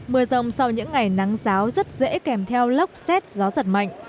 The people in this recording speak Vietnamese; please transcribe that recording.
mưa rông sau những ngày nắng giáo rất dễ kèm theo lốc xét gió giật mạnh